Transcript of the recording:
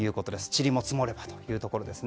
ちりも積もればというところです。